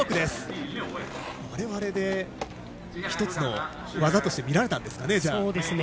あれはあれで１つの技として見られたんですかね。